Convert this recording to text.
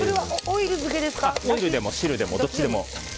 オイルでも汁でもどっちでも。